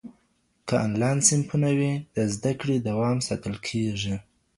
که انلاین صنفونه وي، د زده کړې دوام ساتل کېږي.